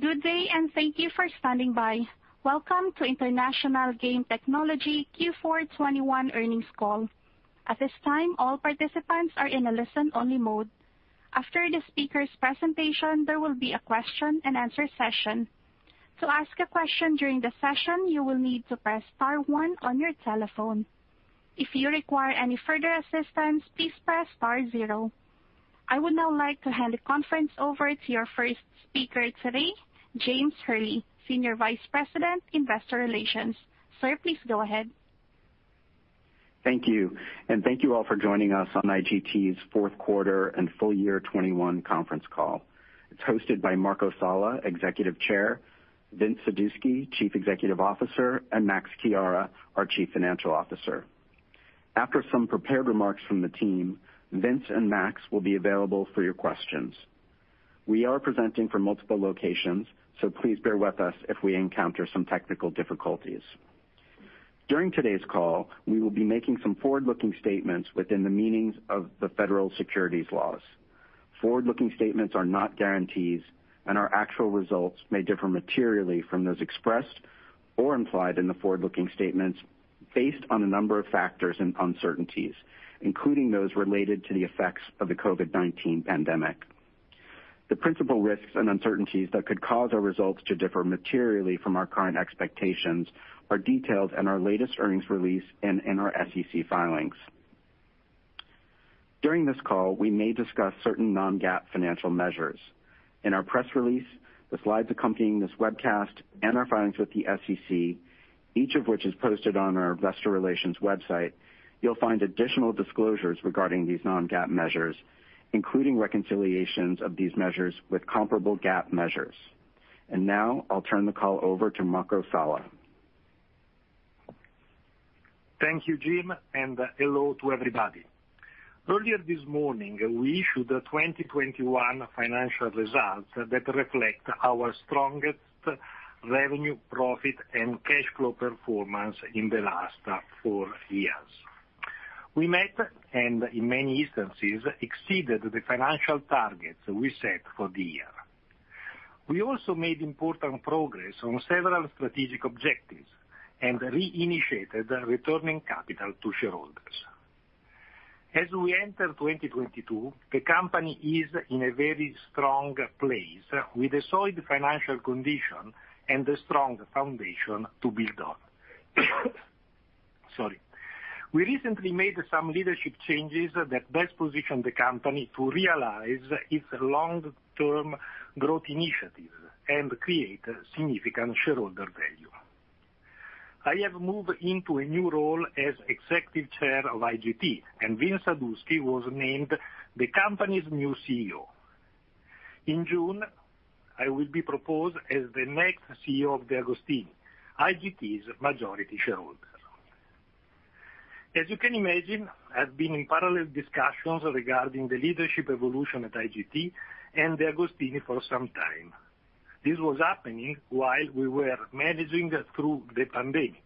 Good day, and thank you for standing by. Welcome to International Game Technology Q4 2021 Earnings Call. At this time, all participants are in a listen-only mode. After the speaker's presentation, there will be a question-and-answer session. To ask a question during the session, you will need to press star one on your telephone. If you require any further assistance, please press star zero. I would now like to hand the conference over to your first speaker today, James Hurley, Senior Vice President, Investor Relations. Sir, please go ahead. Thank you, and thank you all for joining us on IGT's fourth quarter and full year 2021 conference call. It's hosted by Marco Sala, Executive Chair, Vince Sadusky, Chief Executive Officer, and Max Chiara, our Chief Financial Officer. After some prepared remarks from the team, Vince and Max will be available for your questions. We are presenting from multiple locations, so please bear with us if we encounter some technical difficulties. During today's call, we will be making some forward-looking statements within the meanings of the federal securities laws. Forward-looking statements are not guarantees, and our actual results may differ materially from those expressed or implied in the forward-looking statements based on a number of factors and uncertainties, including those related to the effects of the COVID-19 pandemic. The principal risks and uncertainties that could cause our results to differ materially from our current expectations are detailed in our latest earnings release and in our SEC filings. During this call, we may discuss certain non-GAAP financial measures. In our press release, the slides accompanying this webcast and our filings with the SEC, each of which is posted on our investor relations website, you'll find additional disclosures regarding these non-GAAP measures, including reconciliations of these measures with comparable GAAP measures. Now I'll turn the call over to Marco Sala. Thank you, Jim, and hello to everybody. Earlier this morning, we issued the 2021 financial results that reflect our strongest revenue, profit, and cash flow performance in the last four years. We met, and in many instances, exceeded the financial targets we set for the year. We also made important progress on several strategic objectives and reinitiated returning capital to shareholders. As we enter 2022, the company is in a very strong place with a solid financial condition and a strong foundation to build on. Sorry. We recently made some leadership changes that best position the company to realize its long-term growth initiatives and create significant shareholder value. I have moved into a new role as Executive Chair of IGT, and Vince Sadusky was named the company's new CEO. In June, I will be proposed as the next CEO of De Agostini, IGT's majority shareholder. As you can imagine, I've been in parallel discussions regarding the leadership evolution at IGT and De Agostini for some time. This was happening while we were managing through the pandemic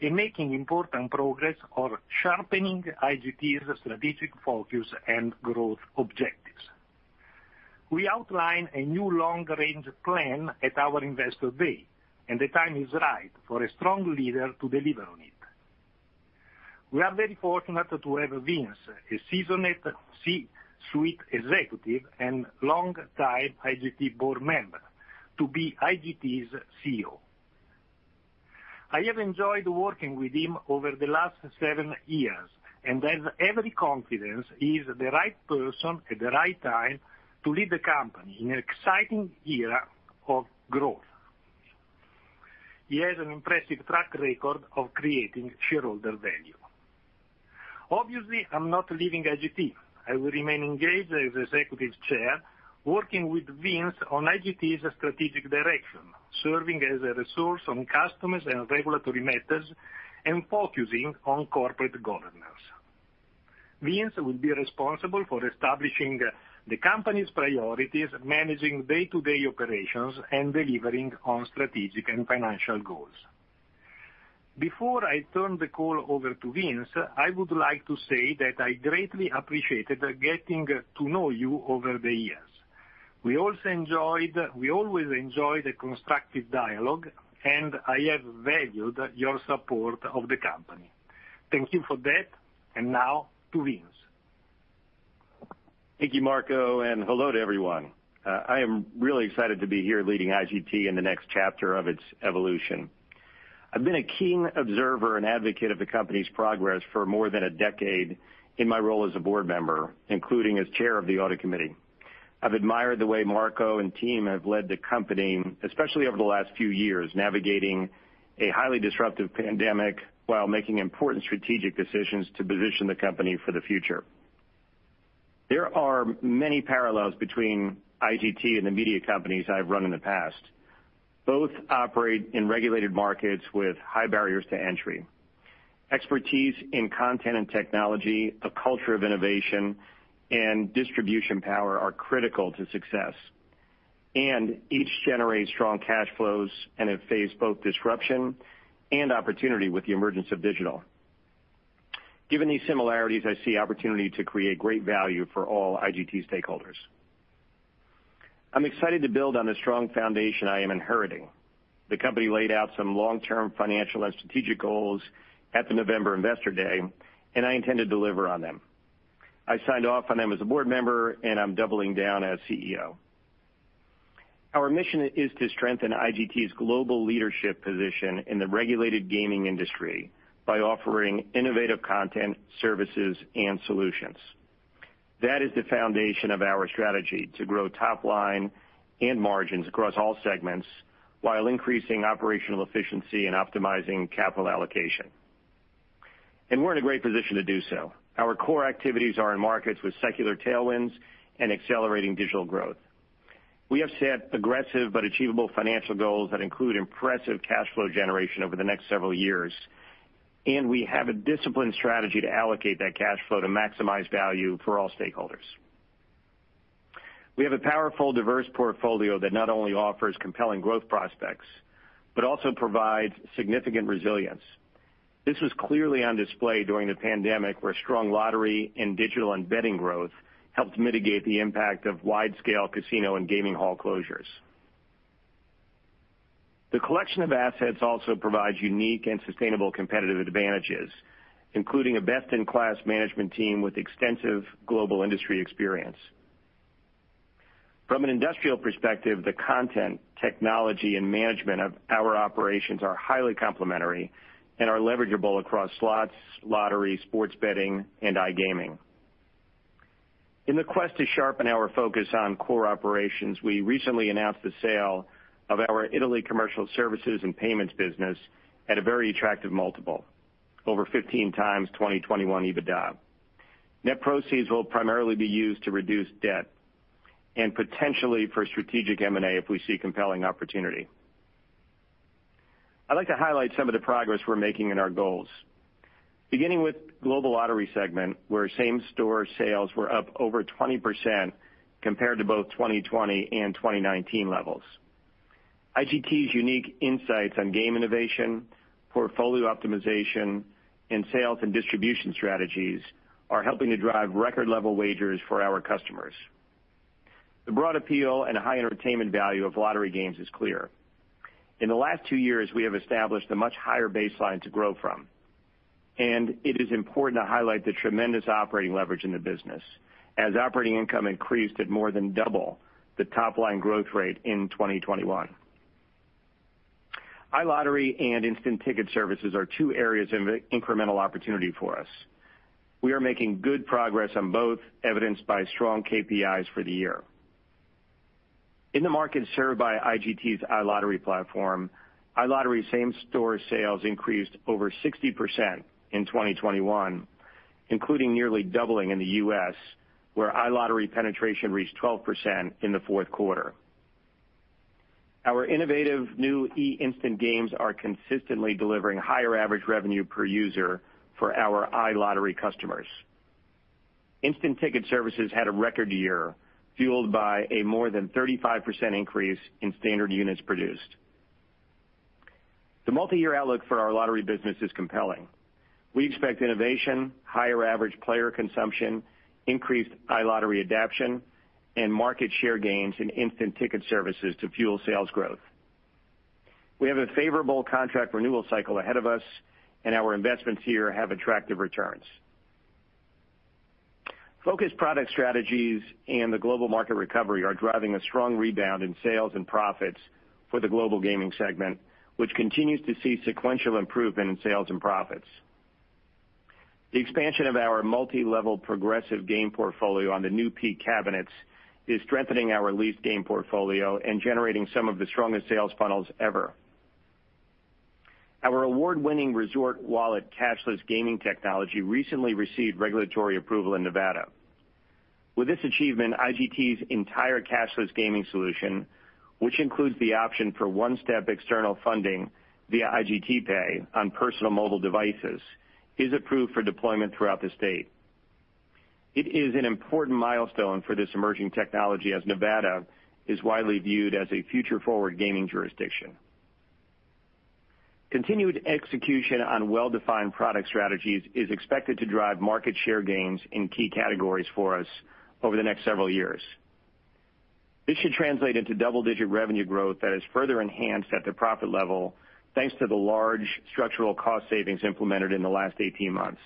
and making important progress on sharpening IGT's strategic focus and growth objectives. We outlined a new long-range plan at our Investor Day, and the time is right for a strong leader to deliver on it. We are very fortunate to have Vince, a seasoned C-suite executive and longtime IGT board member, to be IGT's CEO. I have enjoyed working with him over the last seven years and have every confidence he is the right person at the right time to lead the company in an exciting era of growth. He has an impressive track record of creating shareholder value. Obviously, I'm not leaving IGT. I will remain engaged as Executive Chair, working with Vince on IGT's strategic direction, serving as a resource on customers and regulatory matters, and focusing on corporate governance. Vince will be responsible for establishing the company's priorities, managing day-to-day operations, and delivering on strategic and financial goals. Before I turn the call over to Vince, I would like to say that I greatly appreciated getting to know you over the years. We always enjoyed a constructive dialogue, and I have valued your support of the company. Thank you for that, and now to Vince. Thank you, Marco, and hello to everyone. I am really excited to be here leading IGT in the next chapter of its evolution. I've been a keen observer and advocate of the company's progress for more than a decade in my role as a board member, including as chair of the audit committee. I've admired the way Marco and team have led the company, especially over the last few years, navigating a highly disruptive pandemic while making important strategic decisions to position the company for the future. There are many parallels between IGT and the media companies I've run in the past. Both operate in regulated markets with high barriers to entry. Expertise in content and technology, a culture of innovation, and distribution power are critical to success. Each generates strong cash flows and have faced both disruption and opportunity with the emergence of digital. Given these similarities, I see opportunity to create great value for all IGT stakeholders. I'm excited to build on the strong foundation I am inheriting. The company laid out some long-term financial and strategic goals at the November Investor Day, and I intend to deliver on them. I signed off on them as a board member, and I'm doubling down as CEO. Our mission is to strengthen IGT's global leadership position in the regulated gaming industry by offering innovative content, services, and solutions. That is the foundation of our strategy to grow top line and margins across all segments while increasing operational efficiency and optimizing capital allocation. We're in a great position to do so. Our core activities are in markets with secular tailwinds and accelerating digital growth. We have set aggressive but achievable financial goals that include impressive cash flow generation over the next several years, and we have a disciplined strategy to allocate that cash flow to maximize value for all stakeholders. We have a powerful, diverse portfolio that not only offers compelling growth prospects but also provides significant resilience. This was clearly on display during the pandemic, where strong lottery and Digital & Betting growth helped mitigate the impact of wide-scale casino and gaming hall closures. The collection of assets also provides unique and sustainable competitive advantages, including a best-in-class management team with extensive global industry experience. From an industrial perspective, the content, technology, and management of our operations are highly complementary and are leverageable across slots, lottery, sports betting, and iGaming. In the quest to sharpen our focus on core operations, we recently announced the sale of our Italy commercial services and payments business at a very attractive multiple, over 15x 2021 EBITDA. Net proceeds will primarily be used to reduce debt and potentially for strategic M&A if we see compelling opportunity. I'd like to highlight some of the progress we're making in our goals. Beginning with global lottery segment, where same-store sales were up over 20% compared to both 2020 and 2019 levels. IGT's unique insights on game innovation, portfolio optimization, and sales and distribution strategies are helping to drive record-level wagers for our customers. The broad appeal and high entertainment value of lottery games is clear. In the last two years, we have established a much higher baseline to grow from, and it is important to highlight the tremendous operating leverage in the business as operating income increased at more than double the top-line growth rate in 2021. iLottery and Instant Ticket services are two areas of incremental opportunity for us. We are making good progress on both, evidenced by strong KPIs for the year. In the markets served by IGT's iLottery platform, iLottery same-store sales increased over 60% in 2021, including nearly doubling in the U.S., where iLottery penetration reached 12% in the fourth quarter. Our innovative new eInstant games are consistently delivering higher average revenue per user for our iLottery customers. Instant Ticket services had a record year, fueled by a more than 35% increase in standard units produced. The multiyear outlook for our lottery business is compelling. We expect innovation, higher average player consumption, increased iLottery adoption, and market share gains in Instant Ticket services to fuel sales growth. We have a favorable contract renewal cycle ahead of us, and our investments here have attractive returns. Focused product strategies and the global market recovery are driving a strong rebound in sales and profits for the Global Gaming segment, which continues to see sequential improvement in sales and profits. The expansion of our multilevel progressive game portfolio on the new Peak cabinets is strengthening our leased game portfolio and generating some of the strongest sales funnels ever. Our award-winning Resort Wallet cashless gaming technology recently received regulatory approval in Nevada. With this achievement, IGT's entire cashless gaming solution, which includes the option for one-step external funding via IGTPay on personal mobile devices, is approved for deployment throughout the state. It is an important milestone for this emerging technology, as Nevada is widely viewed as a future-forward gaming jurisdiction. Continued execution on well-defined product strategies is expected to drive market share gains in key categories for us over the next several years. This should translate into double-digit revenue growth that is further enhanced at the profit level, thanks to the large structural cost savings implemented in the last eighteen months.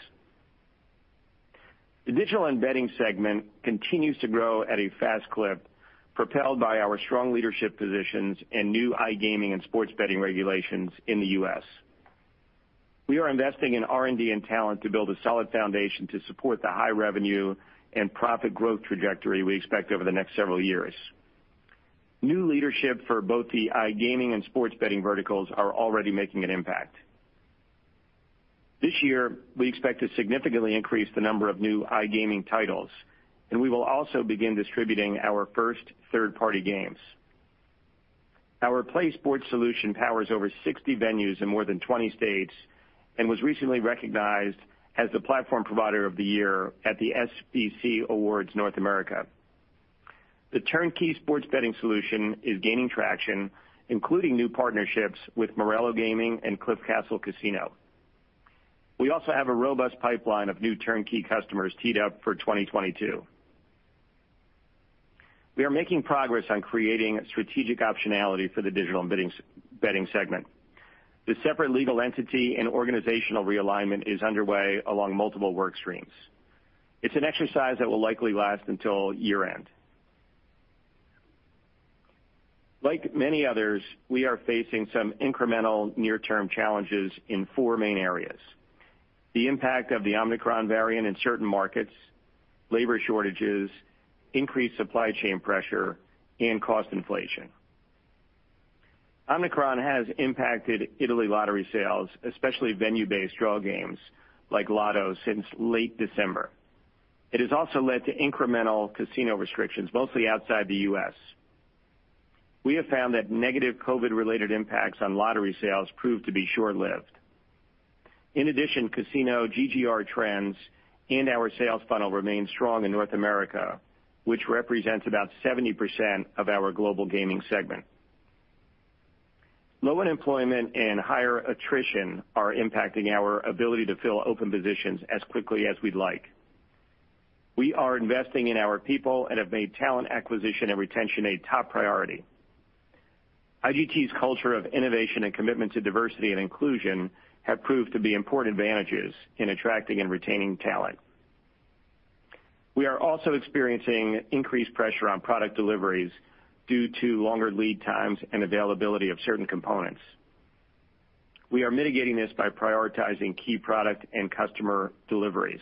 The Digital & Betting segment continues to grow at a fast clip, propelled by our strong leadership positions and new iGaming and sports betting regulations in the U.S. We are investing in R&D and talent to build a solid foundation to support the high revenue and profit growth trajectory we expect over the next several years. New leadership for both the iGaming and sports betting verticals are already making an impact. This year, we expect to significantly increase the number of new iGaming titles, and we will also begin distributing our first third-party games. Our PlaySports solution powers over 60 venues in more than 20 states and was recently recognized as the platform provider of the year at the SBC Awards North America. The turnkey sports betting solution is gaining traction, including new partnerships with Morello Gaming and Cliff Castle Casino. We also have a robust pipeline of new turnkey customers teed up for 2022. We are making progress on creating strategic optionality for the Digital and Betting segment. The separate legal entity and organizational realignment is underway along multiple work streams. It's an exercise that will likely last until year-end. Like many others, we are facing some incremental near-term challenges in four main areas. The impact of the Omicron variant in certain markets, labor shortages, increased supply chain pressure, and cost inflation. Omicron has impacted Italy lottery sales, especially venue-based draw games like Lotto since late December. It has also led to incremental casino restrictions, mostly outside the U.S. We have found that negative COVID-19-related impacts on lottery sales prove to be short-lived. In addition, casino GGR trends in our sales funnel remain strong in North America, which represents about 70% of our global gaming segment. Low unemployment and higher attrition are impacting our ability to fill open positions as quickly as we'd like. We are investing in our people and have made talent acquisition and retention a top priority. IGT's culture of innovation and commitment to diversity and inclusion have proved to be important advantages in attracting and retaining talent. We are also experiencing increased pressure on product deliveries due to longer lead times and availability of certain components. We are mitigating this by prioritizing key product and customer deliveries.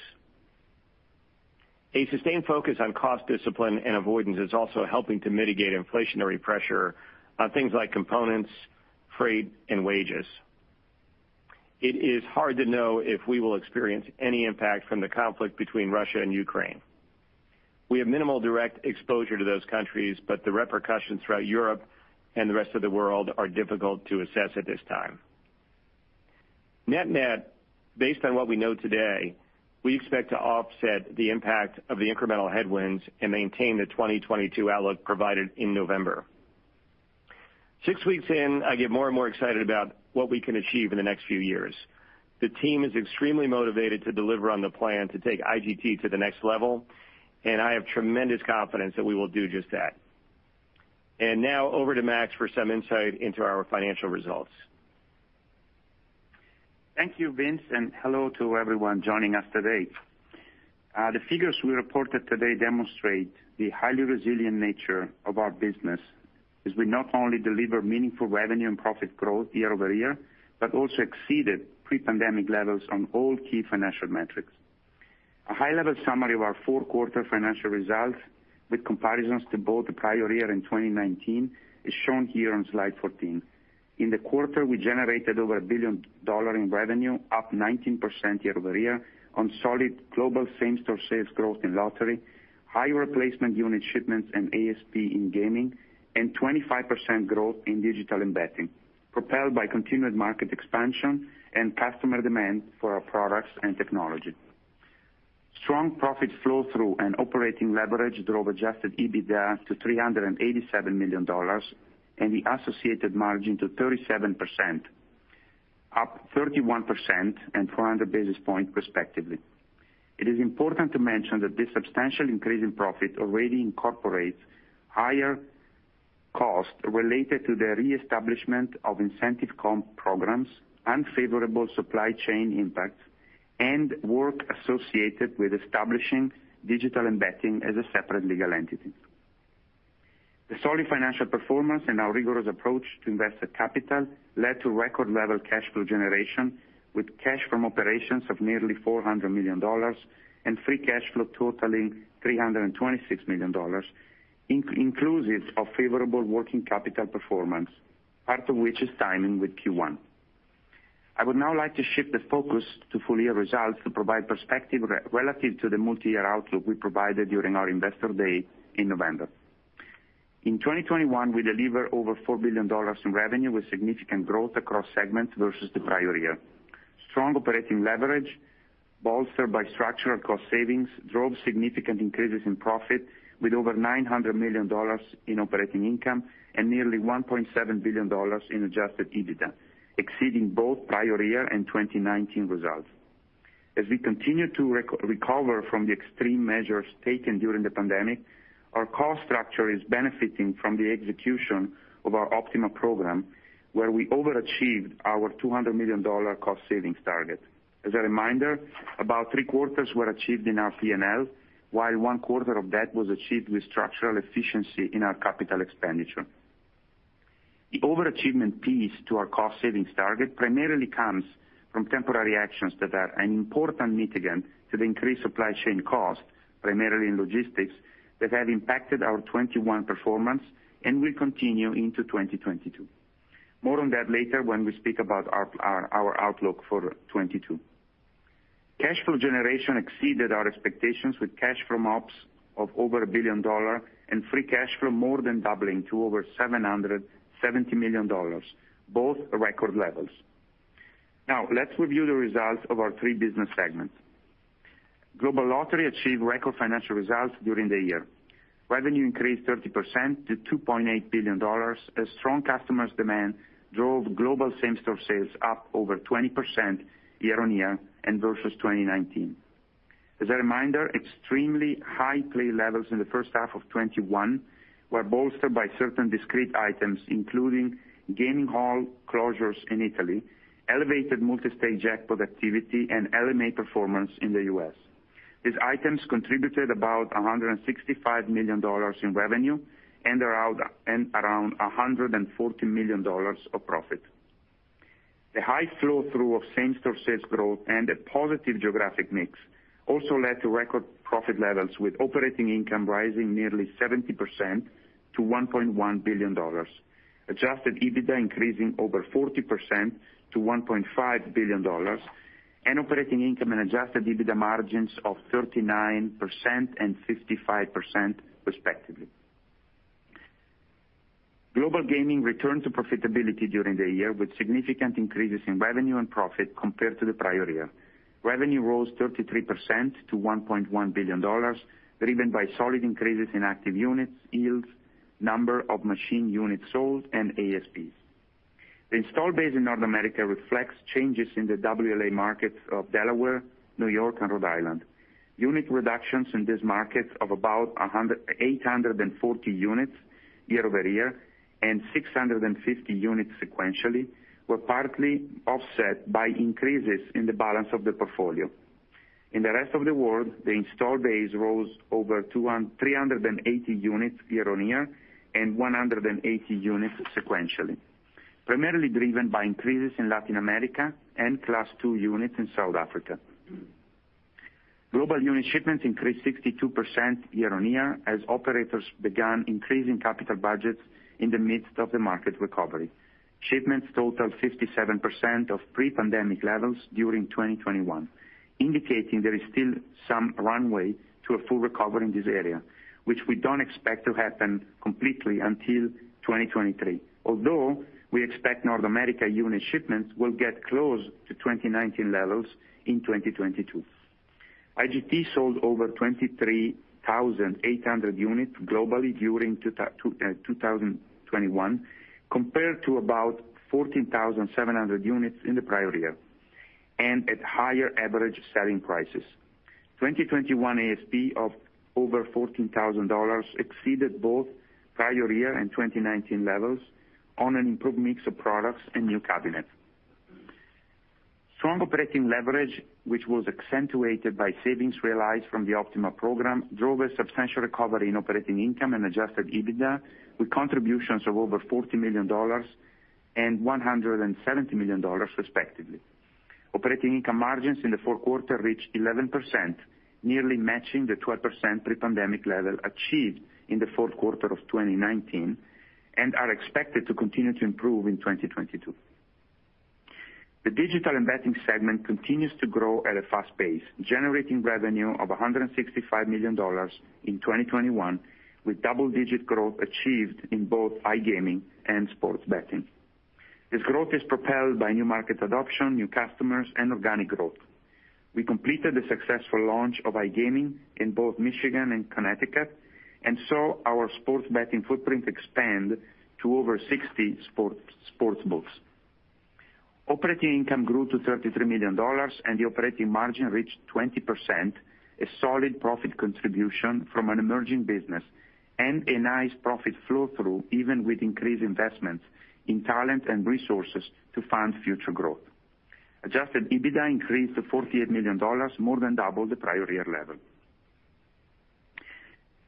A sustained focus on cost discipline and avoidance is also helping to mitigate inflationary pressure on things like components, freight, and wages. It is hard to know if we will experience any impact from the conflict between Russia and Ukraine. We have minimal direct exposure to those countries, but the repercussions throughout Europe and the rest of the world are difficult to assess at this time. Net net, based on what we know today, we expect to offset the impact of the incremental headwinds and maintain the 2022 outlook provided in November. Six weeks in, I get more and more excited about what we can achieve in the next few years. The team is extremely motivated to deliver on the plan to take IGT to the next level, and I have tremendous confidence that we will do just that. Now over to Max for some insight into our financial results. Thank you, Vince, and hello to everyone joining us today. The figures we reported today demonstrate the highly resilient nature of our business, as we not only deliver meaningful revenue and profit growth year-over-year, but also exceeded pre-pandemic levels on all key financial metrics. A high-level summary of our 4-quarter financial results with comparisons to both the prior year and 2019 is shown here on slide 14. In the quarter, we generated over $1 billion in revenue, up 19% year-over-year on solid global same-store sales growth in lottery, high replacement unit shipments and ASP in gaming, and 25% growth in Digital & Betting, propelled by continued market expansion and customer demand for our products and technology. Strong profit flow through and operating leverage drove adjusted EBITDA to $387 million and the associated margin to 37%, up 31% and 400 basis points respectively. It is important to mention that this substantial increase in profit already incorporates higher cost related to the reestablishment of incentive comp programs, unfavorable supply chain impacts, and work associated with establishing digital embedding as a separate legal entity. The solid financial performance and our rigorous approach to invested capital led to record level cash flow generation with cash from operations of nearly $400 million and free cash flow totaling $326 million inclusive of favorable working capital performance, part of which is timing with Q1. I would now like to shift the focus to full-year results to provide perspective relative to the multi-year outlook we provided during our Investor Day in November. In 2021, we delivered over $4 billion in revenue with significant growth across segments versus the prior year. Strong operating leverage, bolstered by structural cost savings, drove significant increases in profit with over $900 million in operating income and nearly $1.7 billion in adjusted EBITDA, exceeding both prior year and 2019 results. As we continue to recover from the extreme measures taken during the pandemic, our cost structure is benefiting from the execution of our OPtiMa program, where we overachieved our $200 million cost savings target. As a reminder, about three-quarters were achieved in our P&L, while one-quarter of that was achieved with structural efficiency in our capital expenditure. The overachievement piece to our cost savings target primarily comes from temporary actions that are an important mitigant to the increased supply chain cost, primarily in logistics, that have impacted our 2021 performance and will continue into 2022. More on that later when we speak about our outlook for 2022. Cash flow generation exceeded our expectations with cash from ops of over $1 billion and free cash flow more than doubling to over $770 million, both record levels. Now let's review the results of our three business segments. Global Lottery achieved record financial results during the year. Revenue increased 30% to $2.8 billion as strong customers' demand drove global same-store sales up over 20% year-on-year and versus 2019. As a reminder, extremely high play levels in the first half of 2021 were bolstered by certain discrete items, including gaming hall closures in Italy, elevated multi-stage jackpot activity and LMA performance in the U.S. These items contributed about $165 million in revenue and around $140 million of profit. The high flow through of same-store sales growth and a positive geographic mix also led to record profit levels, with operating income rising nearly 70% to $1.1 billion. Adjusted EBITDA increasing over 40% to $1.5 billion, and operating income and adjusted EBITDA margins of 39% and 55% respectively. Global gaming returned to profitability during the year, with significant increases in revenue and profit compared to the prior year. Revenue rose 33% to $1.1 billion, driven by solid increases in active units, yields, number of machine units sold and ASPs. The install base in North America reflects changes in the WLA markets of Delaware, New York and Rhode Island. Unit reductions in these markets of about 840 units year-over-year and 650 units sequentially, were partly offset by increases in the balance of the portfolio. In the rest of the world, the install base rose over 380 units year-on-year and 180 units sequentially, primarily driven by increases in Latin America and Class two units in South Africa. Global unit shipments increased 62% year-on-year as operators began increasing capital budgets in the midst of the market recovery. Shipments totaled 57% of pre-pandemic levels during 2021, indicating there is still some runway to a full recovery in this area, which we don't expect to happen completely until 2023. Although we expect North America unit shipments will get close to 2019 levels in 2022. IGT sold over 23,800 units globally during 2021, compared to about 14,700 units in the prior year and at higher average selling prices. 2021 ASP of over $14,000 exceeded both prior year and 2019 levels on an improved mix of products and new cabinets. Strong operating leverage, which was accentuated by savings realized from the OPtiMa program, drove a substantial recovery in operating income and adjusted EBITDA, with contributions of over $40 million and $170 million respectively. Operating income margins in the fourth quarter reached 11%, nearly matching the 12% pre-pandemic level achieved in the fourth quarter of 2019, and are expected to continue to improve in 2022. The Digital & Betting segment continues to grow at a fast pace, generating revenue of $165 million in 2021, with double-digit growth achieved in both iGaming and sports betting. This growth is propelled by new market adoption, new customers, and organic growth. We completed the successful launch of iGaming in both Michigan and Connecticut, and saw our sports betting footprint expand to over 60 sports books. Operating income grew to $33 million and the operating margin reached 20%, a solid profit contribution from an emerging business and a nice profit flow through, even with increased investments in talent and resources to fund future growth. Adjusted EBITDA increased to $48 million, more than double the prior year level.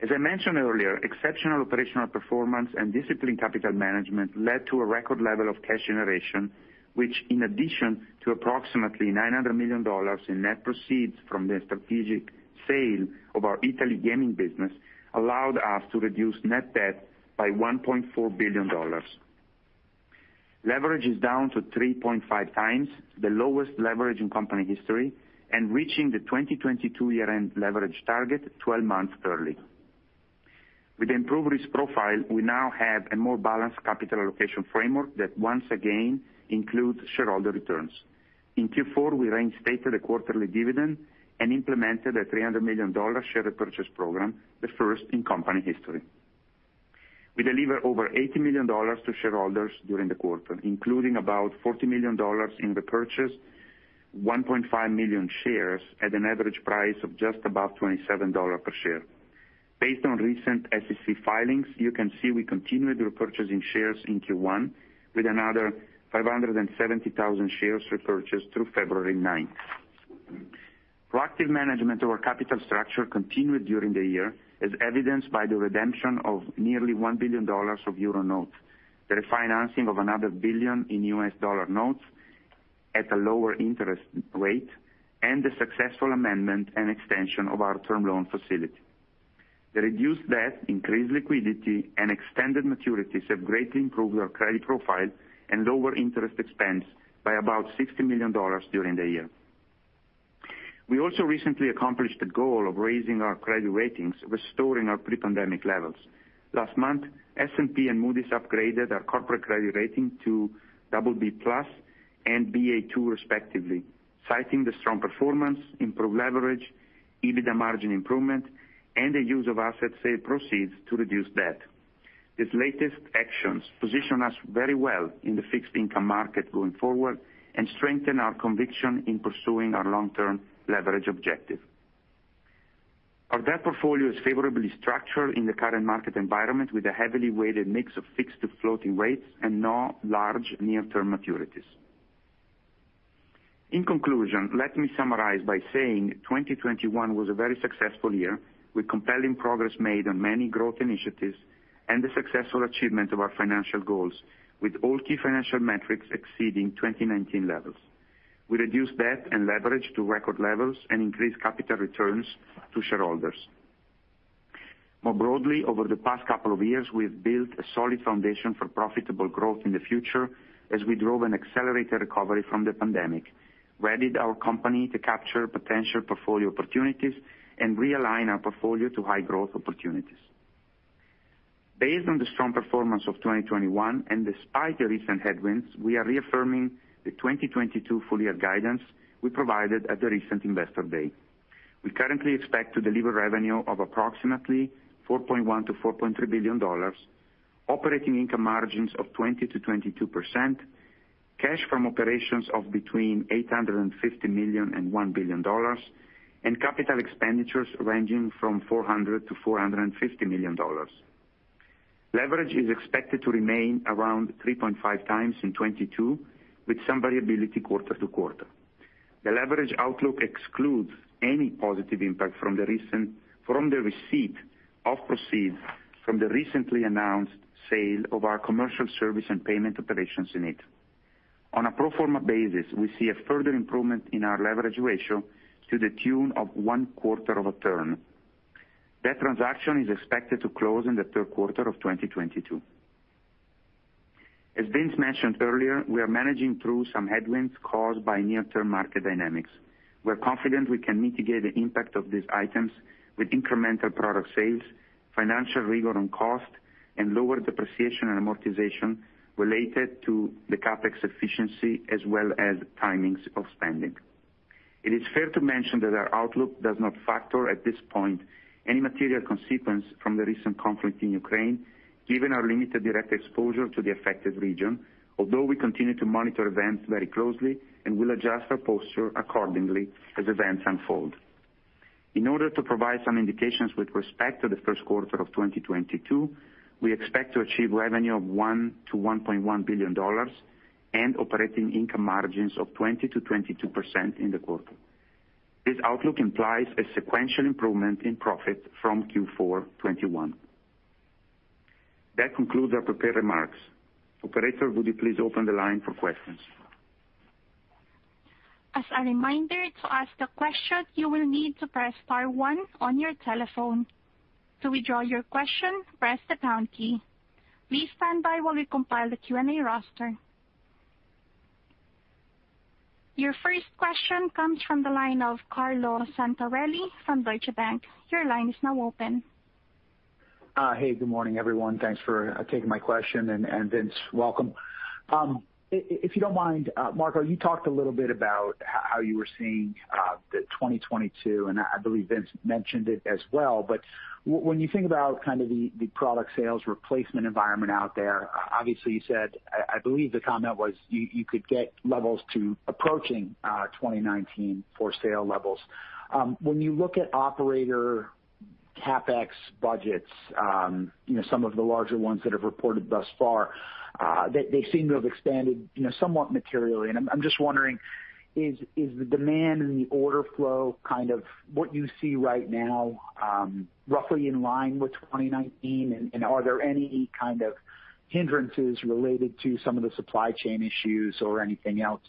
As I mentioned earlier, exceptional operational performance and disciplined capital management led to a record level of cash generation, which, in addition to approximately $900 million in net proceeds from the strategic sale of our Italy gaming business, allowed us to reduce net debt by $1.4 billion. Leverage is down to 3.5x the lowest leverage in company history and reaching the 2022 year-end leverage target 12 months early. With the improved risk profile, we now have a more balanced capital allocation framework that once again includes shareholder returns. In Q4, we reinstated a quarterly dividend and implemented a $300 million share repurchase program, the first in company history. We delivered over $80 million to shareholders during the quarter, including about $40 million in the purchase, 1.5 million shares at an average price of just about $27 per share. Based on recent SEC filings, you can see we continued repurchasing shares in Q1 with another 570,000 shares repurchased through February ninth. Proactive management of our capital structure continued during the year, as evidenced by the redemption of nearly $1 billion of euro notes, the refinancing of another $1 billion in U.S. dollar notes at a lower interest rate, and the successful amendment and extension of our term loan facility. The reduced debt, increased liquidity and extended maturities have greatly improved our credit profile and lower interest expense by about $60 million during the year. We also recently accomplished the goal of raising our credit ratings, restoring our pre-pandemic levels. Last month, S&P and Moody's upgraded our corporate credit rating to BB+ and Ba2 respectively, citing the strong performance, improved leverage, EBITDA margin improvement, and the use of asset sale proceeds to reduce debt. These latest actions position us very well in the fixed income market going forward and strengthen our conviction in pursuing our long-term leverage objective. Our debt portfolio is favorably structured in the current market environment with a heavily weighted mix of fixed to floating rates and no large near-term maturities. In conclusion, let me summarize by saying 2021 was a very successful year, with compelling progress made on many growth initiatives and the successful achievement of our financial goals with all key financial metrics exceeding 2019 levels. We reduced debt and leverage to record levels and increased capital returns to shareholders. More broadly, over the past couple of years, we have built a solid foundation for profitable growth in the future as we drove an accelerated recovery from the pandemic, readied our company to capture potential portfolio opportunities, and realign our portfolio to high growth opportunities. Based on the strong performance of 2021, and despite the recent headwinds, we are reaffirming the 2022 full-year guidance we provided at the recent Investor Day. We currently expect to deliver revenue of approximately $4.1 billion-$4.3 billion, operating income margins of 20%-22%, cash from operations of between $850 million and $1 billion, and capital expenditures ranging from $400 million-$450 million. Leverage is expected to remain around 3.5x in 2022, with some variability quarter to quarter. The leverage outlook excludes any positive impact from the receipt of proceeds from the recently announced sale of our commercial service and payment operations unit. On a pro forma basis, we see a further improvement in our leverage ratio to the tune of one quarter of a turn. That transaction is expected to close in the third quarter of 2022. As Vince mentioned earlier, we are managing through some headwinds caused by near-term market dynamics. We're confident we can mitigate the impact of these items with incremental product sales, financial rigor on cost, and lower depreciation and amortization related to the CapEx efficiency as well as timings of spending. It is fair to mention that our outlook does not factor at this point any material consequence from the recent conflict in Ukraine given our limited direct exposure to the affected region, although we continue to monitor events very closely and will adjust our posture accordingly as events unfold. In order to provide some indications with respect to the first quarter of 2022, we expect to achieve revenue of $1 billion-$1.1 billion and operating income margins of 20%-22% in the quarter. This outlook implies a sequential improvement in profit from Q4 2021. That concludes our prepared remarks. Operator, would you please open the line for questions? As a reminder, to ask a question, you will need to press star one on your telephone. To withdraw your question, press the pound key. Please stand by while we compile the Q&A roster. Your first question comes from the line of Carlo Santarelli from Deutsche Bank. Your line is now open. Hey, good morning, everyone. Thanks for taking my question, and Vince, welcome. If you don't mind, Marco, you talked a little bit about how you were seeing the 2022, and I believe Vince mentioned it as well. When you think about kind of the product sales replacement environment out there, obviously you said, I believe the comment was you could get levels to approaching 2019 for sale levels. When you look at operator CapEx budgets, you know, some of the larger ones that have reported thus far, they seem to have expanded, you know, somewhat materially. I'm just wondering, is the demand and the order flow kind of what you see right now, roughly in line with 2019? Are there any kind of hindrances related to some of the supply chain issues or anything else,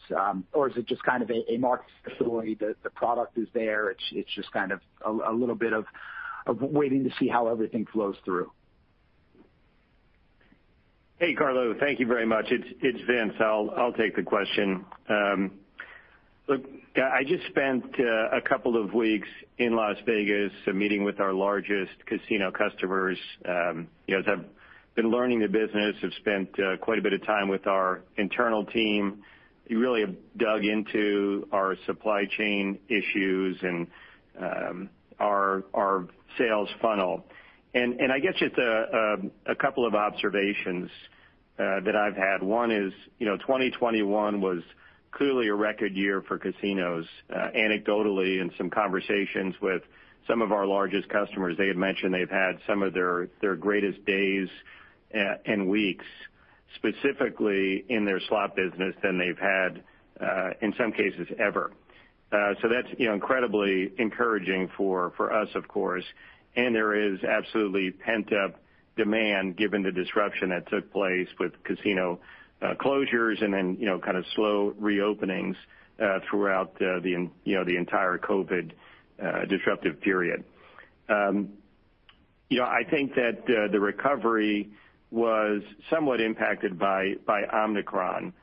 or is it just kind of a market story that the product is there, it's just kind of a little bit of waiting to see how everything flows through? Hey, Carlo. Thank you very much. It's Vince. I'll take the question. Look, I just spent a couple of weeks in Las Vegas meeting with our largest casino customers. You know, as I've been learning the business, I've spent quite a bit of time with our internal team, really dug into our supply chain issues and our sales funnel. I guess just a couple of observations that I've had. One is, you know, 2021 was clearly a record year for casinos. Anecdotally in some conversations with some of our largest customers, they had mentioned they've had some of their their greatest days and weeks, specifically in their slot business than they've had in some cases ever. So that's, you know, incredibly encouraging for us, of course. There is absolutely pent-up demand given the disruption that took place with casino closures and then, you know, kind of slow reopenings throughout, you know, the entire COVID disruptive period. You know, I think that the recovery was somewhat impacted by Omicron,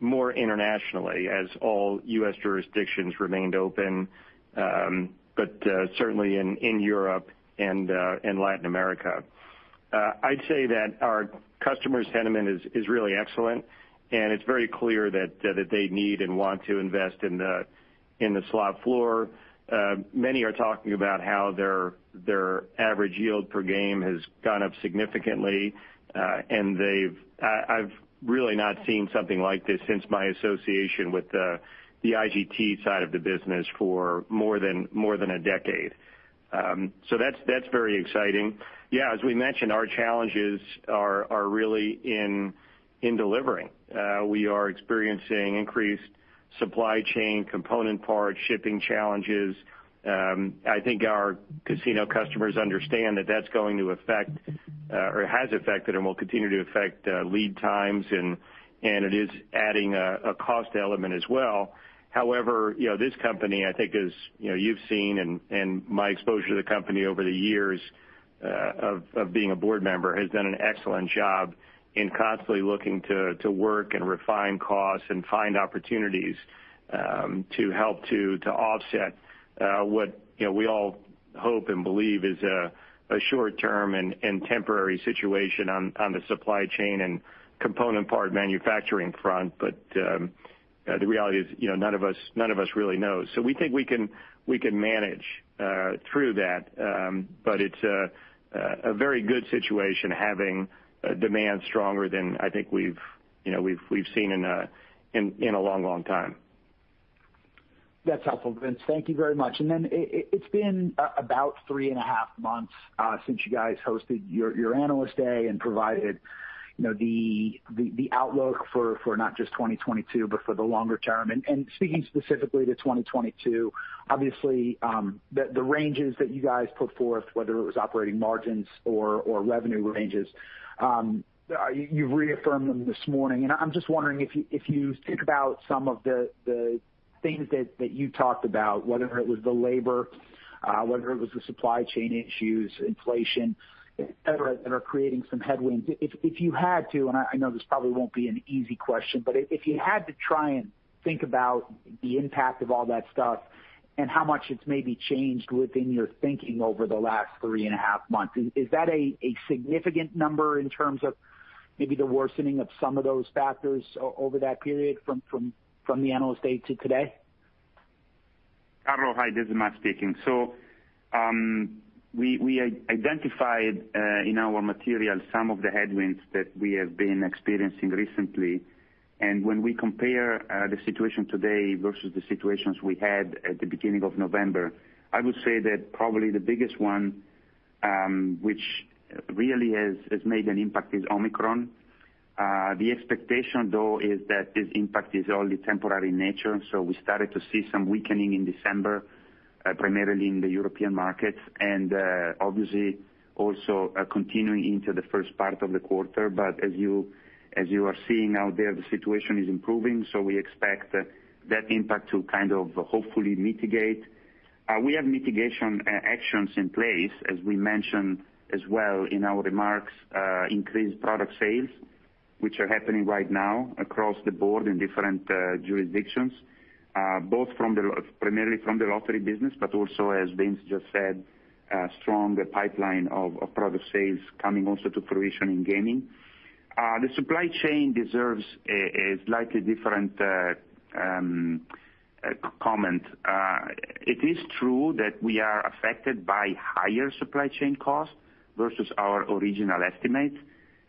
more internationally as all U.S. jurisdictions remained open, but certainly in Europe and in Latin America. I'd say that our customers' sentiment is really excellent, and it's very clear that they need and want to invest in the slot floor. Many are talking about how their average yield per game has gone up significantly, and I've really not seen something like this since my association with the IGT side of the business for more than a decade. That's very exciting. Yeah, as we mentioned, our challenges are really in delivering. We are experiencing increased supply chain, component part, shipping challenges. I think our casino customers understand that that's going to affect or has affected and will continue to affect lead times and it is adding a cost element as well. However, you know, this company, I think is, you know, you've seen and my exposure to the company over the years of being a board member has done an excellent job in constantly looking to work and refine costs and find opportunities to help to offset what, you know, we all hope and believe is a short term and temporary situation on the supply chain and component part manufacturing front. The reality is, you know, none of us really know. We think we can manage through that. It's a very good situation having demand stronger than I think we've, you know, seen in a long time. That's helpful, Vince. Thank you very much. Then it's been about three and a half months since you guys hosted your Investor Day and provided, you know, the outlook for not just 2022, but for the longer term. Speaking specifically to 2022, obviously, the ranges that you guys put forth, whether it was operating margins or revenue ranges, you've reaffirmed them this morning. I'm just wondering if you think about some of the things that you talked about, whether it was the labor, whether it was the supply chain issues, inflation, et cetera, that are creating some headwinds. If you had to, and I know this probably won't be an easy question, but if you had to try and think about the impact of all that stuff and how much it's maybe changed within your thinking over the last three and a half months, is that a significant number in terms of maybe the worsening of some of those factors over that period from the Investor Day to today? Carlo. Hi, this is Max Chiara speaking. We identified in our material some of the headwinds that we have been experiencing recently. When we compare the situation today versus the situations we had at the beginning of November, I would say that probably the biggest one, which really has made an impact is Omicron. The expectation though is that this impact is only temporary in nature. We started to see some weakening in December, primarily in the European markets and obviously also continuing into the first part of the quarter. As you are seeing out there, the situation is improving, we expect that impact to kind of hopefully mitigate. We have mitigation actions in place, as we mentioned as well in our remarks, increased product sales, which are happening right now across the board in different jurisdictions, both primarily from the lottery business, but also, as Vince just said, a stronger pipeline of product sales coming also to fruition in gaming. The supply chain deserves a slightly different comment. It is true that we are affected by higher supply chain costs versus our original estimates.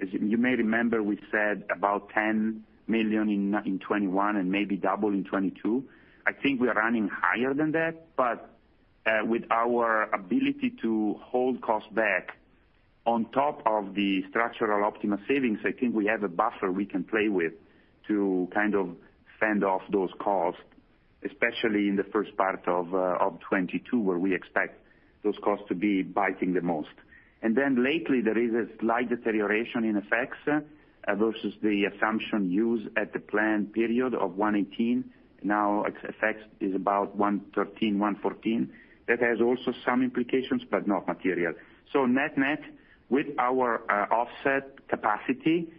As you may remember, we said about $10 million in 2021 and maybe double in 2022. I think we are running higher than that. with our ability to hold costs back on top of the structural OPtiMa savings, I think we have a buffer we can play with to kind of fend off those costs, especially in the first part of 2022, where we expect those costs to be biting the most. Lately, there is a slight deterioration in FX versus the assumption used at the planned period of 1.18. Now FX is about 1.13, 1.14. That has also some implications, but not material. net-net, with our offset capacity,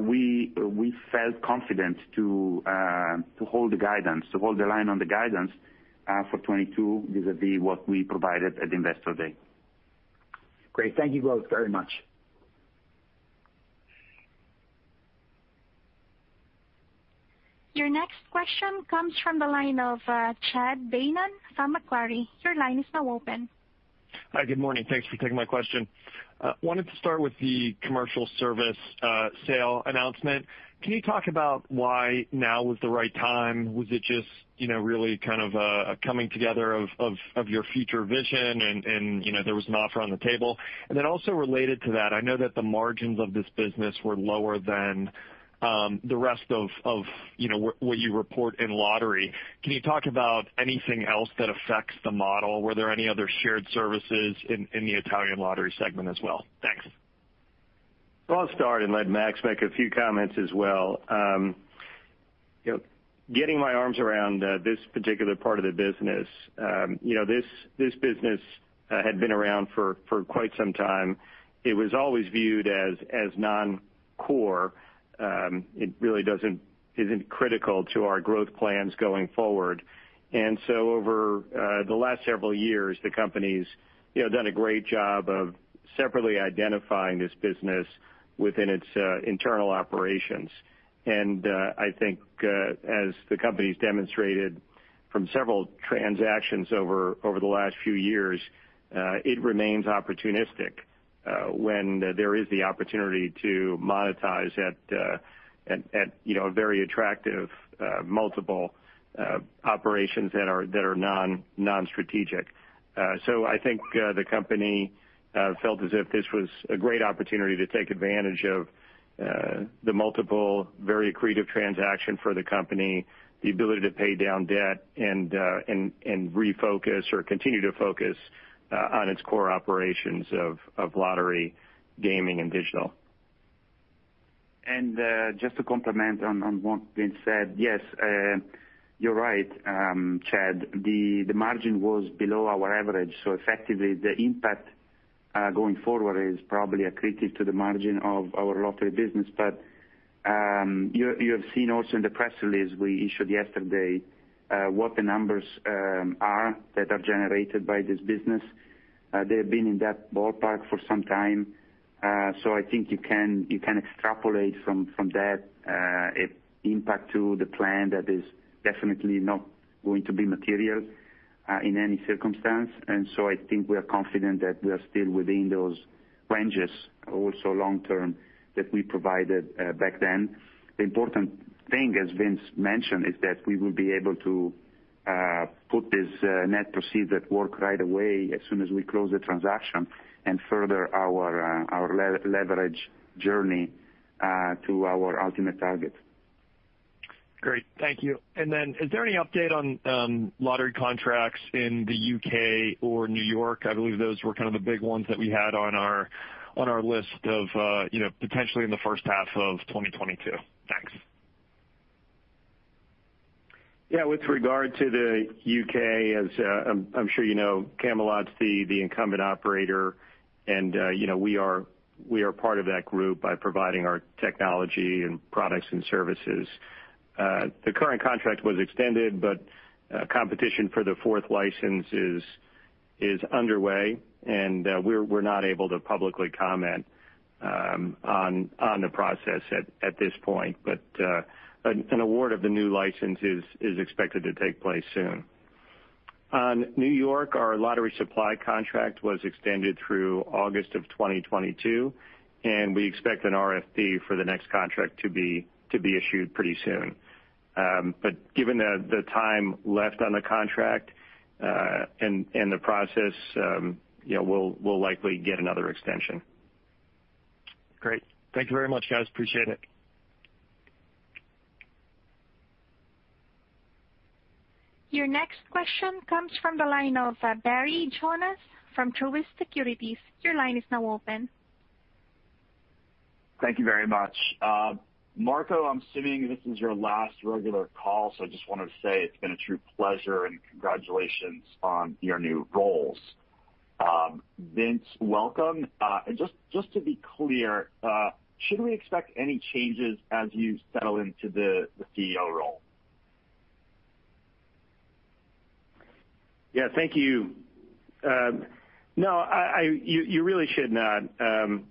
we felt confident to hold the guidance, to hold the line on the guidance, for 2022 vis-à-vis what we provided at Investor Day. Great. Thank you both very much. Your next question comes from the line of Chad Beynon from Macquarie. Your line is now open. Hi. Good morning. Thanks for taking my question. Wanted to start with the commercial service sale announcement. Can you talk about why now was the right time? Was it just you know really kind of a coming together of your future vision and you know there was an offer on the table? Also related to that, I know that the margins of this business were lower than the rest of you know what you report in lottery. Can you talk about anything else that affects the model? Were there any other shared services in the Italian lottery segment as well? Thanks. Well, I'll start and let Max make a few comments as well. You know, getting my arms around this particular part of the business, you know, this business had been around for quite some time. It was always viewed as non-core. It really isn't critical to our growth plans going forward. Over the last several years, the company's done a great job of separately identifying this business within its internal operations. I think as the company's demonstrated from several transactions over the last few years, it remains opportunistic when there is the opportunity to monetize at a very attractive multiple operations that are non-strategic. I think the company felt as if this was a great opportunity to take advantage of the multiple, very accretive transaction for the company, the ability to pay down debt and refocus or continue to focus on its core operations of lottery, gaming, and digital. Just to comment on what Vince said, yes, you're right, Chad, the margin was below our average. Effectively the impact going forward is probably accretive to the margin of our lottery business. You have seen also in the press release we issued yesterday what the numbers are that are generated by this business. They have been in that ballpark for some time. I think you can extrapolate from that impact to the plan that is definitely not going to be material in any circumstance. I think we are confident that we are still within those ranges also long term that we provided back then. The important thing, as Vince mentioned, is that we will be able to put this net proceeds to work right away as soon as we close the transaction and further our leverage journey to our ultimate target. Great. Thank you. Is there any update on lottery contracts in the U.K. or New York? I believe those were kind of the big ones that we had on our list of, you know, potentially in the first half of 2022. Thanks. Yeah. With regard to the U.K., as I'm sure you know, Camelot's the incumbent operator. You know, we are part of that group by providing our technology and products and services. The current contract was extended, but competition for the fourth license is underway, and we're not able to publicly comment on the process at this point. An award of the new license is expected to take place soon. On New York, our lottery supply contract was extended through August 2022, and we expect an RFP for the next contract to be issued pretty soon. Given the time left on the contract, and the process, you know, we'll likely get another extension. Great. Thank you very much, guys. Appreciate it. Your next question comes from the line of Barry Jonas from Truist Securities. Your line is now open. Thank you very much. Marco, I'm assuming this is your last regular call, so I just wanted to say it's been a true pleasure and congratulations on your new roles. Vince, welcome. Just to be clear, should we expect any changes as you settle into the CEO role? Yeah. Thank you. No, I... You really should not.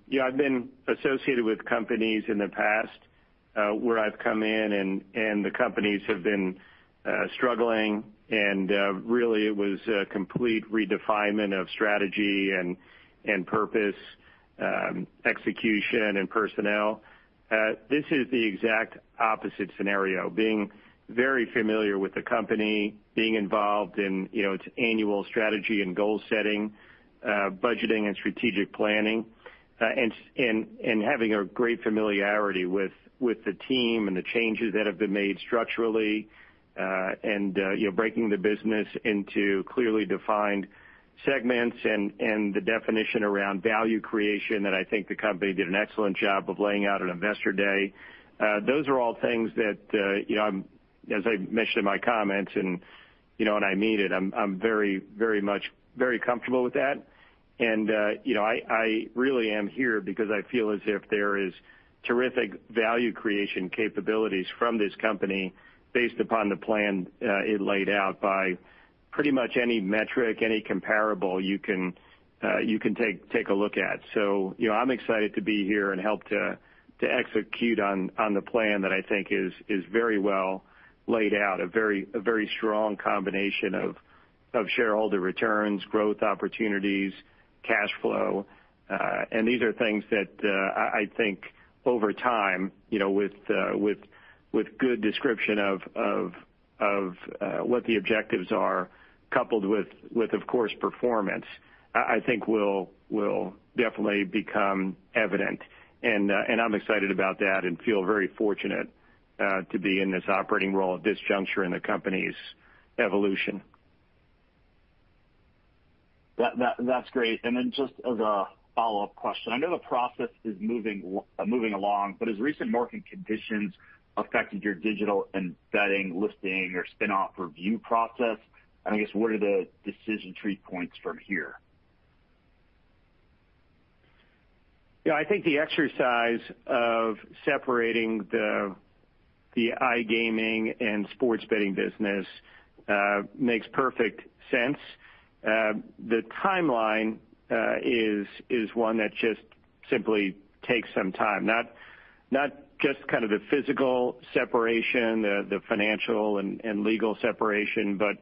You know, I've been associated with companies in the past, where I've come in and the companies have been struggling, and really it was a complete redefining of strategy and purpose, execution and personnel. This is the exact opposite scenario, being very familiar with the company, being involved in, you know, its annual strategy and goal setting, budgeting and strategic planning, and having a great familiarity with the team and the changes that have been made structurally, and you know, breaking the business into clearly defined segments and the definition around value creation that I think the company did an excellent job of laying out at Investor Day. Those are all things that, you know, I'm... As I mentioned in my comments, you know, and I mean it, I'm very comfortable with that. You know, I really am here because I feel as if there is terrific value creation capabilities from this company based upon the plan it laid out by pretty much any metric, any comparable you can take a look at. You know, I'm excited to be here and help to execute on the plan that I think is very well laid out, a very strong combination of shareholder returns, growth opportunities, cash flow. These are things that I think over time, you know, with good description of what the objectives are coupled with of course performance, I think will definitely become evident. I'm excited about that and feel very fortunate to be in this operating role at this juncture in the company's evolution. That's great. Just as a follow-up question, I know the process is moving along, but has recent market conditions affected your Digital & Betting listing or spin-off review process? I guess, what are the decision tree points from here? Yeah, I think the exercise of separating the iGaming and sports betting business makes perfect sense. The timeline is one that just simply takes some time, not just kind of the physical separation, the financial and legal separation, but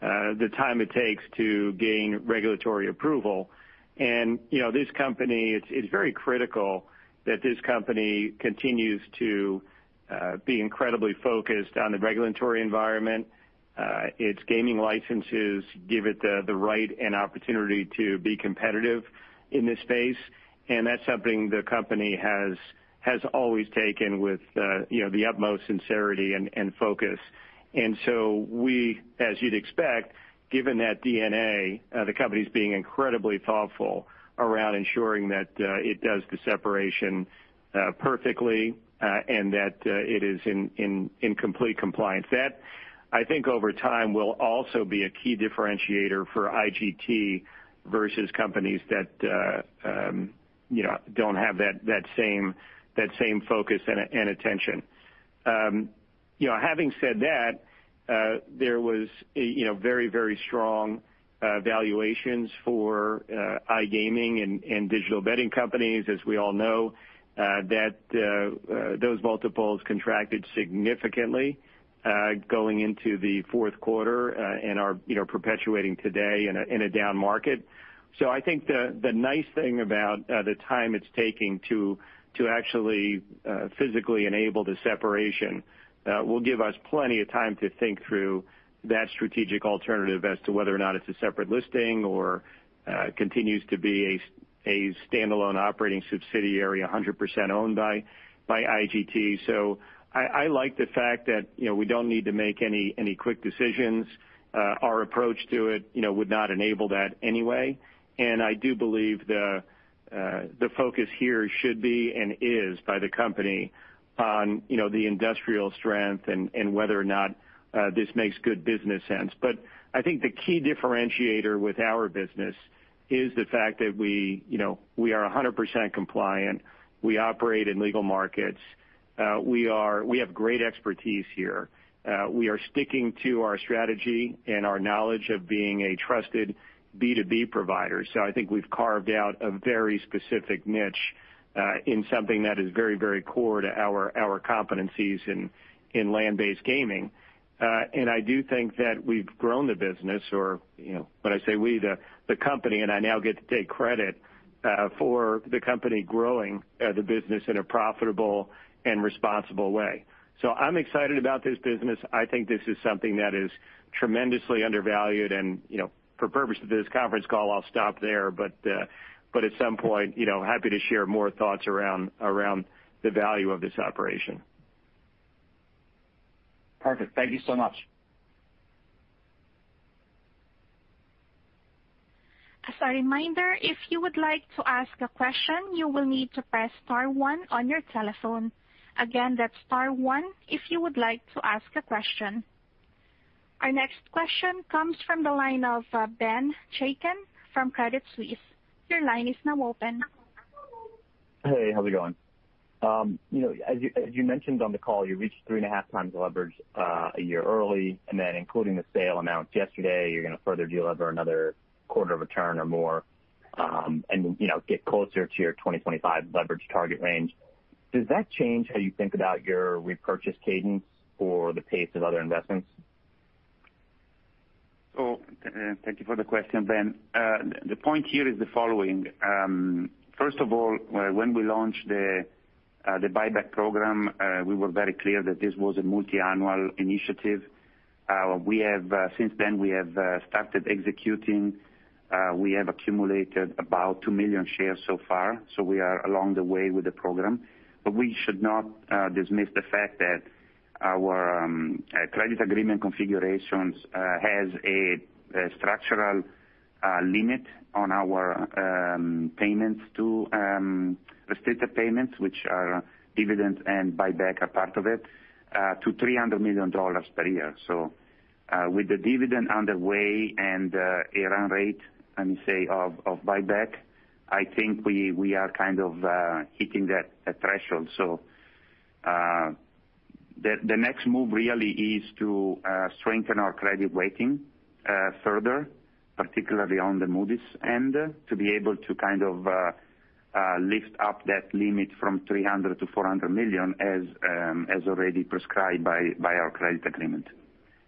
the time it takes to gain regulatory approval. This company, it's very critical that this company continues to be incredibly focused on the regulatory environment. Its gaming licenses give it the right and opportunity to be competitive in this space, and that's something the company has always taken with the utmost sincerity and focus. We, as you'd expect, given that DNA, the company's being incredibly thoughtful around ensuring that it does the separation perfectly, and that it is in complete compliance. That, I think over time will also be a key differentiator for IGT versus companies that, you know, don't have that same focus and attention. You know, having said that, there was, you know, very strong valuations for iGaming and digital betting companies. As we all know, those multiples contracted significantly, going into the fourth quarter, and are, you know, perpetuating today in a down market. I think the nice thing about the time it's taking to actually physically enable the separation will give us plenty of time to think through that strategic alternative as to whether or not it's a separate listing or continues to be a standalone operating subsidiary 100% owned by IGT. I like the fact that, you know, we don't need to make any quick decisions. Our approach to it, you know, would not enable that anyway. I do believe the focus here should be and is, by the company, on, you know, the industrial strength and whether or not this makes good business sense. I think the key differentiator with our business is the fact that we, you know, we are 100% compliant. We operate in legal markets. We have great expertise here. We are sticking to our strategy and our knowledge of being a trusted B2B provider. I think we've carved out a very specific niche in something that is very core to our competencies in land-based gaming. I do think that we've grown the business or, you know, when I say we, the company, and I now get to take credit for the company growing the business in a profitable and responsible way. I'm excited about this business. I think this is something that is tremendously undervalued. You know, for purpose of this conference call, I'll stop there. At some point, you know, happy to share more thoughts around the value of this operation. Perfect. Thank you so much. As a reminder, if you would like to ask a question, you will need to press star one on your telephone. Again, that's star one if you would like to ask a question. Our next question comes from the line of Ben Chaiken from Credit Suisse. Your line is now open. Hey, how's it going? You know, as you mentioned on the call, you reached 3.5x leverage a year early, and then including the sale amounts yesterday, you're gonna further delever another quarter of a turn or more, and you know, get closer to your 2025 leverage target range. Does that change how you think about your repurchase cadence or the pace of other investments? Thank you for the question, Ben. The point here is the following. First of all, when we launched the buyback program, we were very clear that this was a multi-annual initiative. Since then, we have started executing. We have accumulated about 2 million shares so far, so we are along the way with the program. But we should not dismiss the fact that our credit agreement configurations has a structural limit on our payments to restricted payments, which are dividends and buyback are part of it, to $300 million per year. With the dividend underway and run rate, let me say, of buyback, I think we are kind of hitting that threshold. The next move really is to strengthen our credit rating further, particularly on the Moody's end, to be able to lift up that limit from $300 million-$400 million as already prescribed by our credit agreement.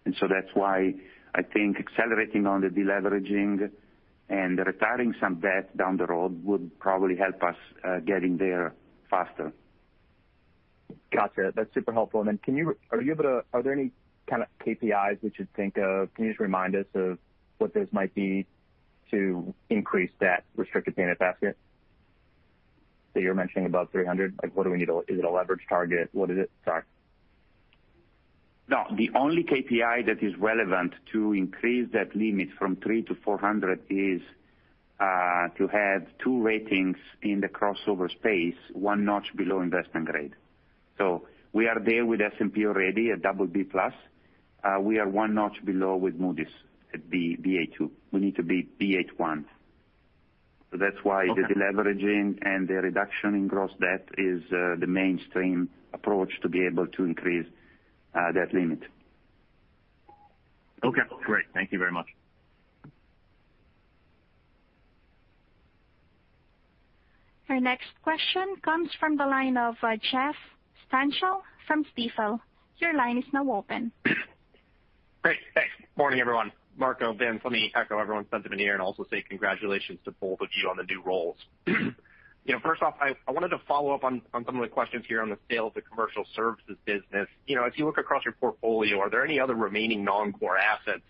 That's why I think accelerating on the deleveraging and retiring some debt down the road would probably help us getting there faster. Gotcha. That's super helpful. Are there any kind of KPIs we should think of? Can you just remind us of what those might be to increase that restricted payment basket that you're mentioning above 300? Like what do we need to? Is it a leverage target? What is it? Sorry. No, the only KPI that is relevant to increase that limit from 300-400 is to have two ratings in the crossover space, one notch below investment grade. We are there with S&P already at BB+. We are one notch below with Moody's at BA2. We need to be BA1. That's why. Okay. The deleveraging and the reduction in gross debt is the mainstream approach to be able to increase that limit. Okay, great. Thank you very much. Our next question comes from the line of Jeff Stantial from Stifel. Your line is now open. Great. Thanks. Morning, everyone. Marco, Vince, let me echo everyone's sentiment here and also say congratulations to both of you on the new roles. You know, first off, I wanted to follow up on some of the questions here on the sale of the commercial services business. You know, as you look across your portfolio, are there any other remaining non-core assets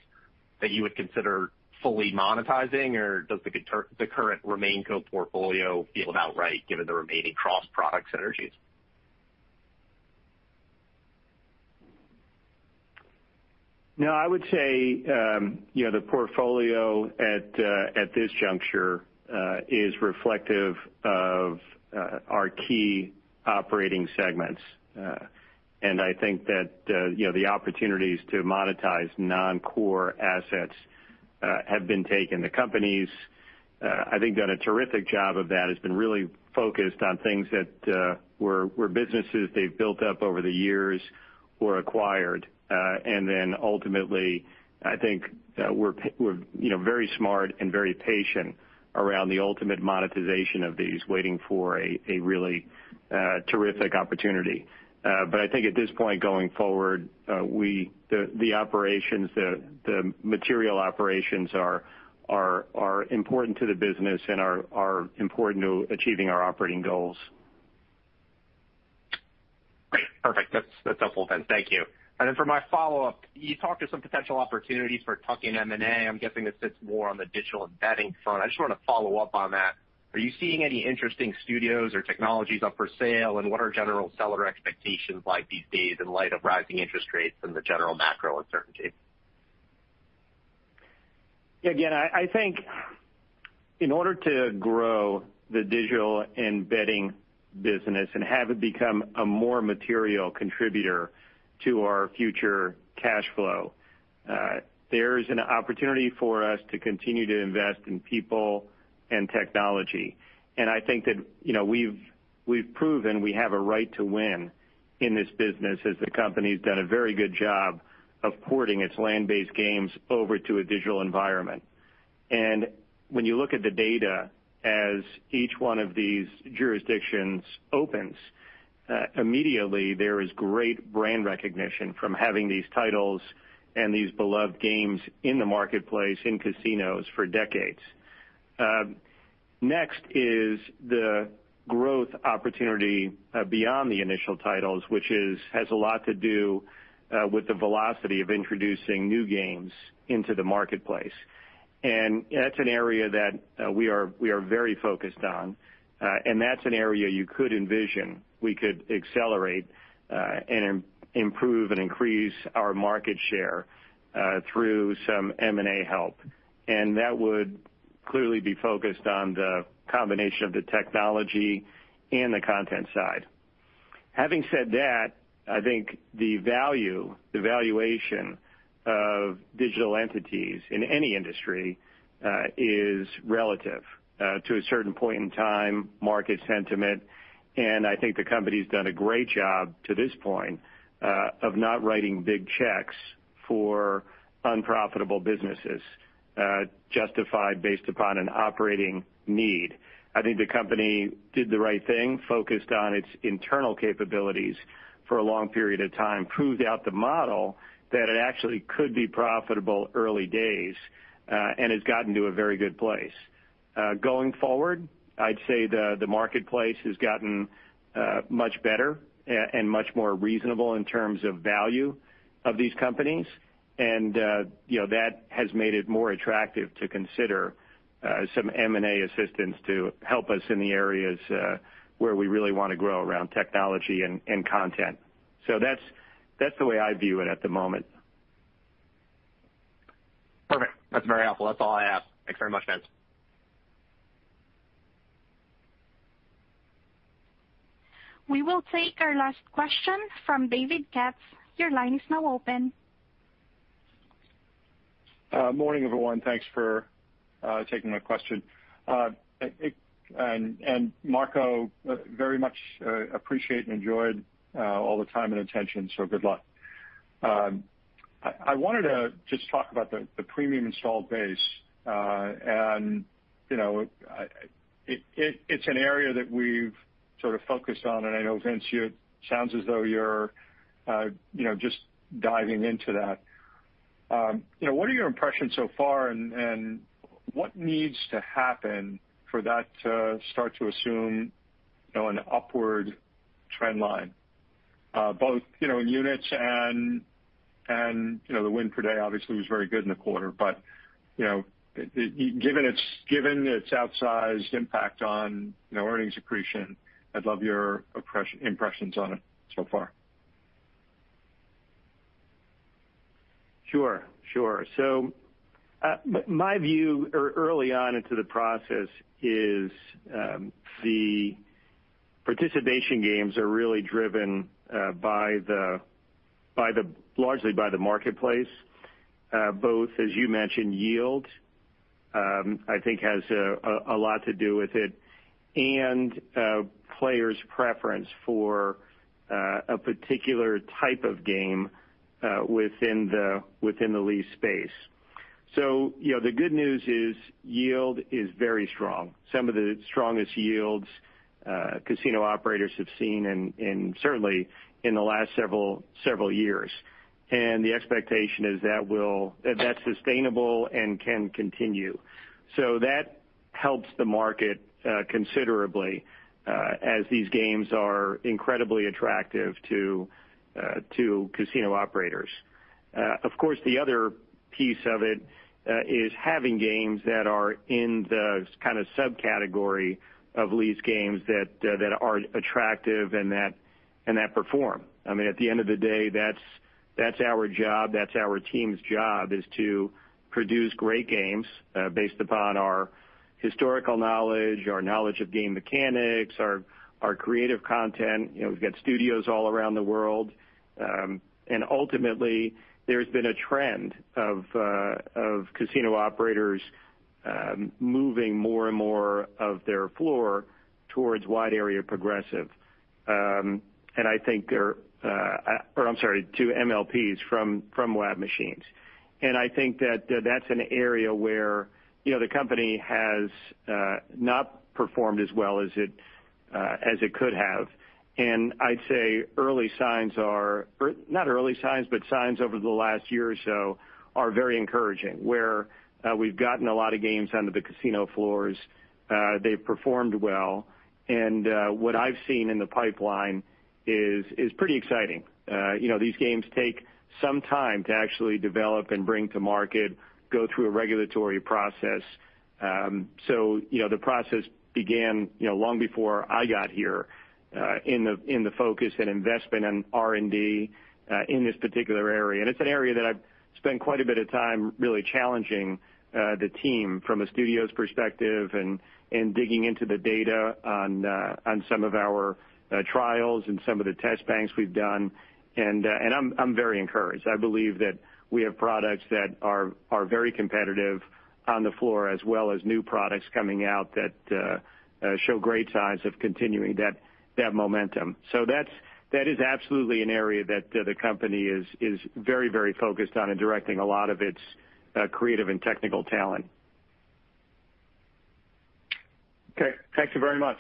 that you would consider fully monetizing, or does the current RemainCo portfolio feel about right given the remaining cross-product synergies? No, I would say, you know, the portfolio at this juncture is reflective of our key operating segments. I think that, you know, the opportunities to monetize non-core assets have been taken. The company's, I think, done a terrific job of that, has been really focused on things that were businesses they've built up over the years or acquired. Ultimately, I think, we're, you know, very smart and very patient around the ultimate monetization of these, waiting for a really terrific opportunity. I think at this point going forward, the operations, the material operations are important to the business and are important to achieving our operating goals. Great. Perfect. That's helpful, Vince. Thank you. For my follow-up, you talked about some potential opportunities for tuck-in M&A. I'm guessing this sits more on the digital and betting front. I just wanna follow up on that. Are you seeing any interesting studios or technologies up for sale, and what are general seller expectations like these days in light of rising interest rates and the general macro uncertainty? Again, I think in order to grow the digital and betting business and have it become a more material contributor to our future cash flow, there is an opportunity for us to continue to invest in people and technology. I think that, you know, we've proven we have a right to win in this business, as the company's done a very good job of porting its land-based games over to a digital environment. When you look at the data, as each one of these jurisdictions opens, immediately there is great brand recognition from having these titles and these beloved games in the marketplace, in casinos for decades. Next is the growth opportunity beyond the initial titles, which has a lot to do with the velocity of introducing new games into the marketplace. That's an area that we are very focused on, and that's an area you could envision we could accelerate and improve and increase our market share through some M&A help. That would clearly be focused on the combination of the technology and the content side. Having said that, I think the value, the valuation of digital entities in any industry is relative to a certain point in time, market sentiment, and I think the company's done a great job to this point of not writing big checks for unprofitable businesses justified based upon an operating need. I think the company did the right thing, focused on its internal capabilities for a long period of time, proved out the model that it actually could be profitable early days, and has gotten to a very good place. Going forward, I'd say the marketplace has gotten much better and much more reasonable in terms of value of these companies. You know, that has made it more attractive to consider some M&A assistance to help us in the areas where we really wanna grow around technology and content. That's the way I view it at the moment. Perfect. That's very helpful. That's all I have. Thanks very much, Vince. We will take our last question from David Katz. Your line is now open. Morning, everyone. Thanks for taking my question. Marco, very much appreciate and enjoyed all the time and attention, so good luck. I wanted to just talk about the premium installed base. You know, it's an area that we've sort of focused on, and I know, Vince, it sounds as though you're, you know, just diving into that. You know, what are your impressions so far, and what needs to happen for that to start to assume, you know, an upward trend line? Both, you know, units and you know, the win per day obviously was very good in the quarter. You know, given its outsized impact on, you know, earnings accretion, I'd love your impressions on it so far. Sure, sure. My view early on into the process is the participation games are really driven largely by the marketplace, both as you mentioned, yield I think has a lot to do with it and players' preference for a particular type of game within the lease space. You know, the good news is yield is very strong. Some of the strongest yields casino operators have seen in certainly the last several years. The expectation is that that's sustainable and can continue. That helps the market considerably, as these games are incredibly attractive to casino operators. Of course, the other piece of it is having games that are in the a kind of subcategory of lease games that are attractive and that perform. I mean, at the end of the day, that's our job, that's our team's job, is to produce great games based upon our historical knowledge, our knowledge of game mechanics, our creative content. You know, we've got studios all around the world. Ultimately, there's been a trend of casino operators moving more and more of their floor towards Wide Area Progressive. I think there or I'm sorry, to MLPs from WAP machines. I think that that's an area where, you know, the company has not performed as well as it could have. I'd say early signs are Not early signs, but signs over the last year or so are very encouraging, where we've gotten a lot of games onto the casino floors, they've performed well. What I've seen in the pipeline is pretty exciting. You know, these games take some time to actually develop and bring to market, go through a regulatory process. The process began you know long before I got here in the focus and investment in R&D in this particular area. It's an area that I've spent quite a bit of time really challenging the team from a studios perspective and digging into the data on some of our trials and some of the test banks we've done. I'm very encouraged. I believe that we have products that are very competitive on the floor, as well as new products coming out that show great signs of continuing that momentum. That is absolutely an area that the company is very focused on and directing a lot of its creative and technical talent. Okay. Thank you very much.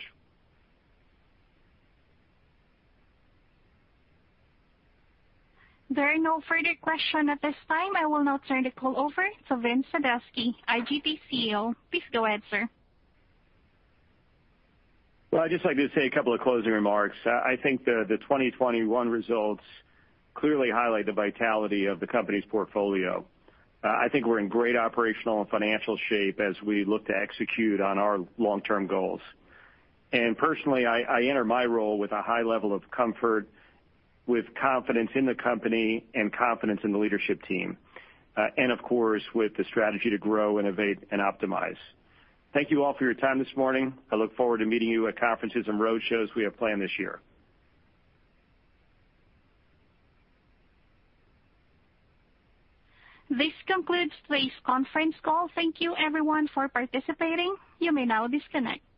There are no further questions at this time. I will now turn the call over to Vince Sadusky, IGT CEO. Please go ahead, sir. Well, I'd just like to say a couple of closing remarks. I think the 2021 results clearly highlight the vitality of the company's portfolio. I think we're in great operational and financial shape as we look to execute on our long-term goals. Personally, I enter my role with a high level of comfort, with confidence in the company and confidence in the leadership team, and of course, with the strategy to grow, innovate and optimize. Thank you all for your time this morning. I look forward to meeting you at conferences and roadshows we have planned this year. This concludes today's conference call. Thank you everyone for participating. You may now disconnect.